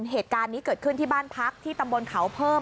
เหตุการณ์นี้เกิดขึ้นที่บ้านพักที่ตำบลเขาเพิ่ม